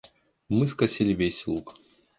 Мы скосили весь луг.